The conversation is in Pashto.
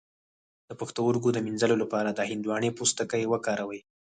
د پښتورګو د مینځلو لپاره د هندواڼې پوستکی وکاروئ